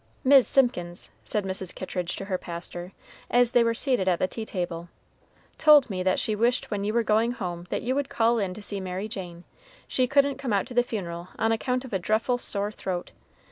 "Mis' Simpkins," said Mrs. Kittridge to her pastor, as they were seated at the tea table, "told me that she wished when you were going home that you would call in to see Mary Jane; she couldn't come out to the funeral on account of a dreffle sore throat.